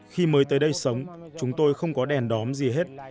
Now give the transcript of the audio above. khi mới tới đây sống chúng tôi không có đèn đón gì hết